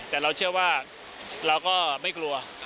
แต่เราเชื่อว่าเราก็ไม่กลัว